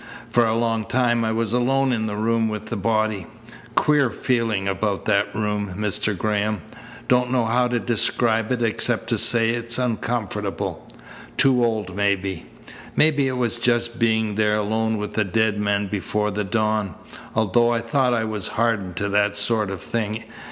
For a long time I was alone in the room with the body. Queer feeling about that room, Mr. Graham. Don't know how to describe it except to say it's uncomfortable. Too old, maybe. Maybe it was just being there alone with the dead man before the dawn, although I thought I was hardened to that sort of thing.